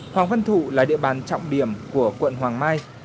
hoàng văn thụ là địa bàn trọng điểm của quận hoàng mai